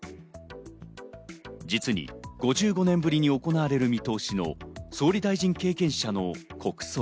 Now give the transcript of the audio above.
実に５５年ぶりに行われる見通しの総理大臣経験者の国葬。